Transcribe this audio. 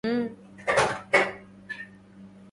ألا جانب المهذار ساء كلامه